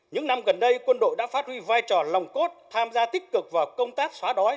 những năm gần đây quân đội đã phát huy vai trò lòng cốt tham gia tích cực vào công tác xóa đói